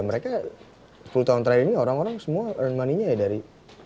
mereka sepuluh tahun terakhir ini orang orang semua earn money nya ya dari